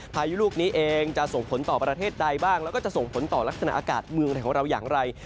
พายุลูกนี้เองจะส่งผลต่อประเทศใดบ้างแล้วก็จะส่งผลต่อลักษณะอากาศเมืองไทยของเราอย่างไร